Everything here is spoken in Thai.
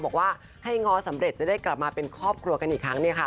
บอกว่าให้ง้อสำเร็จจะได้กลับมาเป็นครอบครัวกันอีกครั้งเนี่ยค่ะ